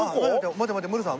待って待ってムロさん。